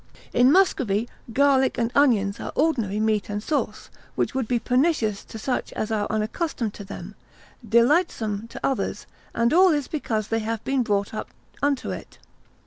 In Muscovy, garlic and onions are ordinary meat and sauce, which would be pernicious to such as are unaccustomed to them, delightsome to others; and all is because they have been brought up unto it.